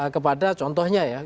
kepada contohnya ya